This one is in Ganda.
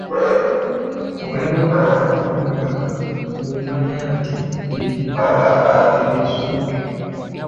Olaba omukulu adduka ng'omanya nti ebiddako tebisoboke.